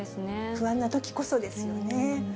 不安なときこそですよね。